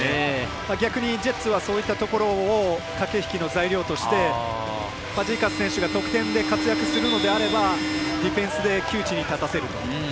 逆にジェッツはそういったところを駆け引きの材料としてファジーカス選手が得点で活躍するのであればディフェンスで窮地に立たせる。